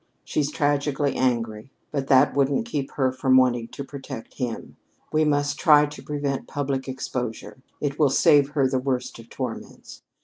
She's tragically angry, but that wouldn't keep her from wanting to protect him. We must try to prevent public exposure. It will save her the worst of torments."